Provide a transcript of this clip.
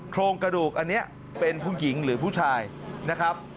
โครงกระดูกอันนี้เป็นผู้หญิงหรือผู้ชายนะครับ